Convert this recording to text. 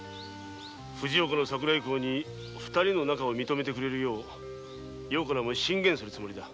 藤岡の桜井公に二人の恋を認めてくれるよう余は進言するつもりだ。